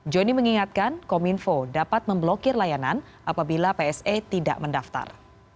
joni mengingatkan kominfo dapat memblokir layanan apabila pse tidak mendaftar